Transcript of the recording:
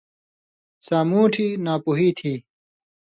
سامُوٹھیۡ ناپُوہی تھی